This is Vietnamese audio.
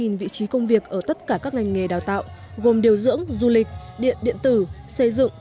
ba mươi vị trí công việc ở tất cả các ngành nghề đào tạo gồm điều dưỡng du lịch điện điện tử xây dựng